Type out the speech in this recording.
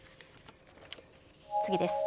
次です。